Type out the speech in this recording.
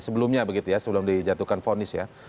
sebelumnya begitu ya sebelum dijatuhkan fonis ya